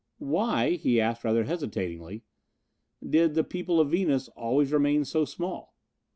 "Why," he asked rather hesitatingly, "did the people of Venus always remain so small?